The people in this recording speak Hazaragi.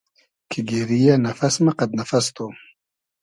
کی گېری یۂ نئفئس مۂ قئد نئفئس تو